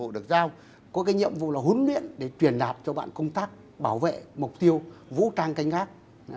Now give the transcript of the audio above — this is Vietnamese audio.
đội giao có nhiệm vụ là huấn luyện để truyền đạt cho bạn công tác bảo vệ mục tiêu vũ trang canh gác